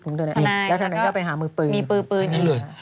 แล้วทนายเขาก็ไปหามือปืนมีปืนนี่เลย